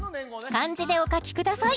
漢字でお書きください